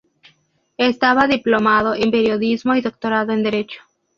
Estaba diplomado en Periodismo y doctorado en Derecho.